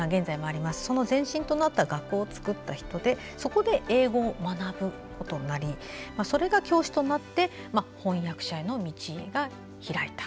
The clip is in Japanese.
その前身となった学校を作った人でそこで英語を学ぶことになりそれで、教師となって翻訳者への道が開いた。